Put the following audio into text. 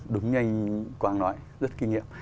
đúng như anh quang nói rất kinh nghiệm